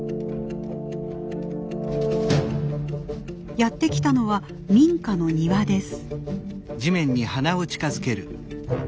やって来たのは民家の庭です。